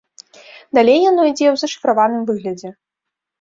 Далей яно ідзе ў зашыфраваным выглядзе.